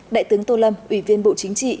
đại tướng tô lâm ủy viên bộ chính trị